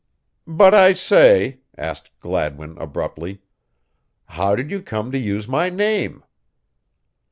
"But I say," asked Gladwin, abruptly. "How did you come to use my name?"